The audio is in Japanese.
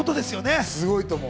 すごいと思う。